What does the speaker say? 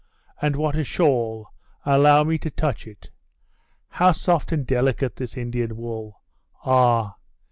And what a shawl allow me to touch it! How soft and delicate this Indian wool! Ah!